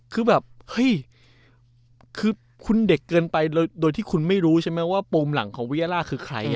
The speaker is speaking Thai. คือแบบเฮ้ยคือคุณเด็กเกินไปโดยที่คุณไม่รู้ใช่ไหมว่าปูมหลังของวิยาล่าคือใคร